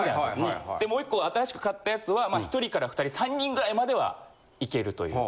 でもう１個新しく買ったやつはまあ１人から２人３人ぐらいまではいけるという。